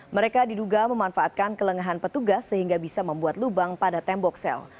mereka diduga memanfaatkan kelengahan petugas sehingga bisa membuat lubang pada tembok sel